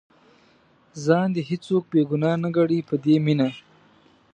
ځان دې هېڅوک بې ګناه نه ګڼي په دې مینه.